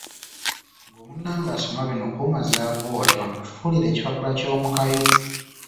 Ggwe munange asoma bino kuuma zaabu wo tebamukufuulira ekipapula ky’omukayu.